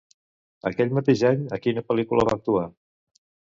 Aquell mateix any, a quina pel·lícula va actuar?